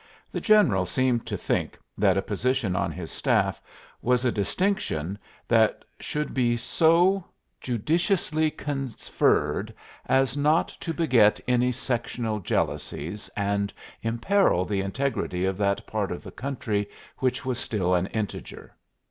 The general seemed to think that a position on his staff was a distinction that should be so judiciously conferred as not to beget any sectional jealousies and imperil the integrity of that part of the country which was still an integer.